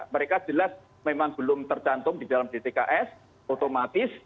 mereka jelas memang belum tergantung di dalam dtkf otomatis